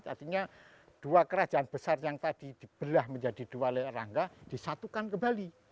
artinya dua kerajaan besar yang tadi dibelah menjadi dua erlangga disatukan kembali